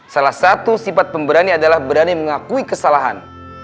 salah satu sifat pemberani adalah berani mengakui kesalahan